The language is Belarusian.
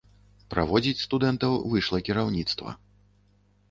Праводзіць студэнтаў выйшла кіраўніцтва.